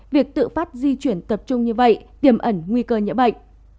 việc tự phát di chuyển tập trung như vậy tiềm ẩn nguy cơ nhiễm bệnh